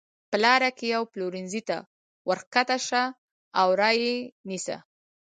په لاره کې یوې پلورنځۍ ته ورکښته شه او را یې نیسه.